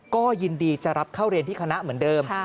ก็ยินดีจะรับเข้าเรียนที่คณะเหมือนเดิม